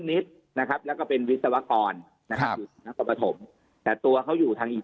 นิดนะครับแล้วก็เป็นวิศวกรนะครับอยู่นครปฐมแต่ตัวเขาอยู่ทางอีก